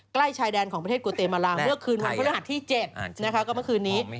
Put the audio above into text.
ใกล้ชายแดนของประเทศกูเตเมลาเนื้อคืนภาคฤหัสที่๗นะคะก็เมื่อคืนนี้